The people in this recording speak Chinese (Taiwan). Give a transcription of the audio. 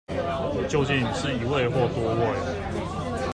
究竟是一位或多位